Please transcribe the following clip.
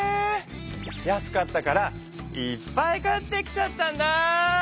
安かったからいっぱい買ってきちゃったんだ。